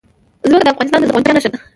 ځمکه د افغانستان د زرغونتیا نښه ده.